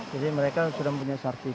jadi mereka sudah punya sertifikat